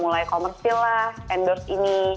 mulai komersil lah endorse ini